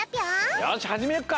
よしはじめよっか！